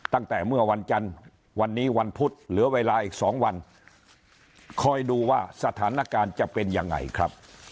ตั้งแต่เมื่อวันจันทร์วันนี้วันพุธเหลือเวลาอีก๒วันคอยดูว่าสถานการณ์จะเป็นยังไงครับ